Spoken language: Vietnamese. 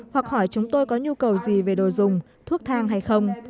hoặc hỏi chúng tôi có nhu cầu gì về đồ dùng thuốc thang hay không